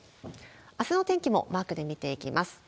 あすの天気もマークで見ていきます。